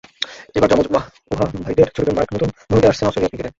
এবার যমজ ওয়াহ ভাইদের ছোটজন মার্ক নতুন ভূমিকায় আসছেন অস্ট্রেলিয়ার ক্রিকেটে।